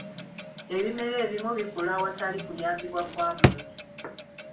Ebimera ebimu bikula awatali kuyambibwa kwa muntu.